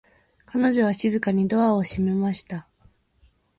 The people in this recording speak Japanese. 彼女は静かにドアを閉めました。